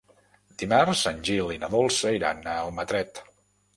Dimarts en Gil i na Dolça iran a Almatret.